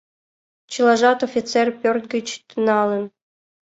Чылажат Офицер пӧрт гыч тӱҥалын.